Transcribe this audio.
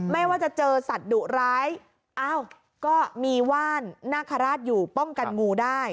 ไม่ว่าจะเจอสัตว์ดุร้ายอ้าวก็มีว่านนาคาราชอยู่ป้องกันงูได้